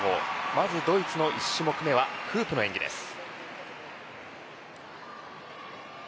まずドイツの１種目めはフープの演技です。